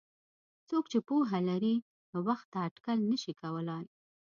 څوک چې پوهه لري له وخته اټکل نشي کولای.